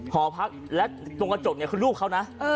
หอพักและตรงกระจกเนี่ยคือลูกเขานะ